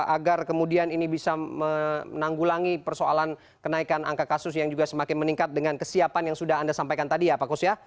agar kemudian ini bisa menanggulangi persoalan kenaikan angka kasus yang juga semakin meningkat dengan kesiapan yang sudah anda sampaikan tadi ya pak kusya